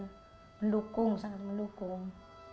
mendukung sangat mendukung